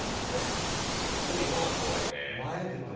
テーマが怖いね。